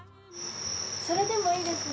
それでもいいですね